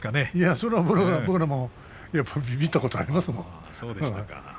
それは僕らもびびったことありますよ。